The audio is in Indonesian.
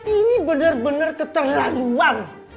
ini bener bener keterlaluan